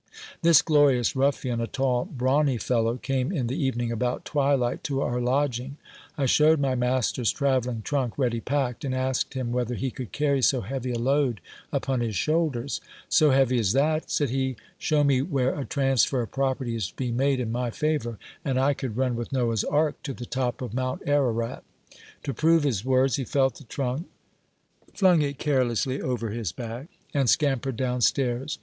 This glorious ruffian, a tall, brawny fellow, came in the evening about twilight to our lodging; I shewed my master's travelling trunk ready packed, and asked him whether he could carry so heavy a load upon his shoulders. So heavy as that ! said he : shew me where a transfer of property is to be made in my favour, and SCIPIOS STORY. 371 I could run with Noah's ark to the top of mount Ararat To prove his words, he felt the trunk, flung it carelessly over his back, and scampered down stairs.